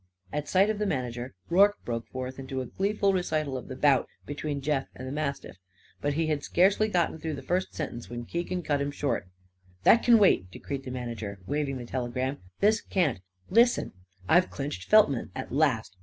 At sight of the manager Rorke broke forth into a gleeful recital of the bout between Jeff and the mastiff. But he had scarcely gotten through the first sentence when Keegan cut him short. "That c'n wait!" decreed the manager, waving the telegram. "This can't. Listen! I've cinched Feltman, at last.